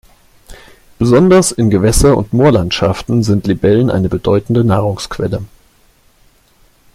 Besonders in Gewässer- und Moorlandschaften sind Libellen eine bedeutende Nahrungsquelle.